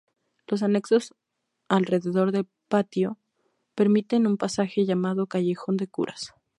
Los anexos alrededor del patio permiten un pasaje llamado Callejón de Curas.